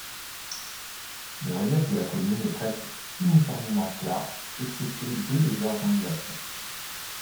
Le relief de la commune est presque uniformément plat exceptées deux légères ondulations.